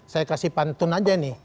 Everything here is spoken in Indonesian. saya kasih pantun aja nih